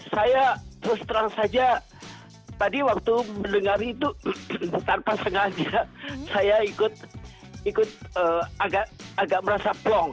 saya terus terang saja tadi waktu mendengar itu tanpa sengaja saya ikut agak merasa plong